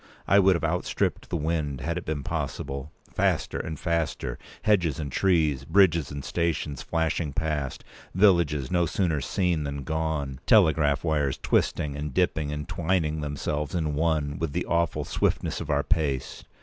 I would have outstripped the wind, had it been possible. Faster and faster—hedges and trees, bridges and stations, flashing past—villages no sooner seen than gone—telegraph wires twisting, and p. 216dipping, and twining themselves in one, with the awful swiftness of our pace!